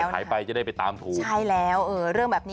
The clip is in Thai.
หายไปจะได้ไปตามถูก